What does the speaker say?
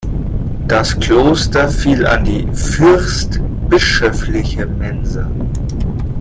Das Kloster fiel an die fürstbischöfliche Mensa.